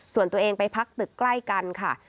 ส่วนตัวเองไปพักตึกใกล้กันค่ะ